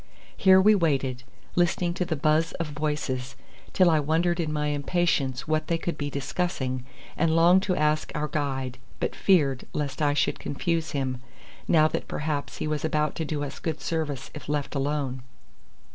Here we waited, listening to the buzz of voices, till I wondered in my impatience what they could be discussing, and longed to ask our guide, but feared lest I should confuse him, now that perhaps he was about to do us good service if left alone.